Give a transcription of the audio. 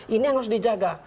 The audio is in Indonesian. ini yang harus dijaga